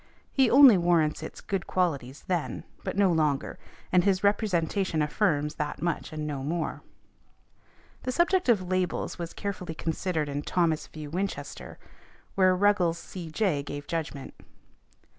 He only warrants its good qualities then, but no longer, and his representation affirms that much, and no more . The subject of labels was carefully considered in Thomas v. Winchester , where Ruggles C.J. gave judgment.